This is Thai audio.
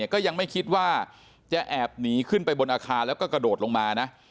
ก็ยังไม่คิดว่าจะแอบหนีขึ้นไปบนอาคารแล้วก็กระโดดลงมานะ